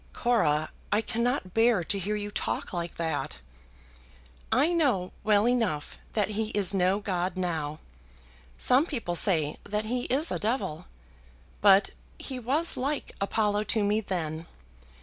"Cora! I cannot bear to hear you talk like that." "I know well enough that he is no god now; some people say that he is a devil, but he was like Apollo to me then.